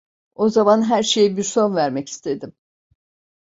O zaman her şeye bir son vermek istedim.